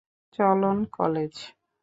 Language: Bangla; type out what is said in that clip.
চলন কলেজ।